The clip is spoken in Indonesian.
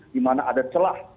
di mana ada celah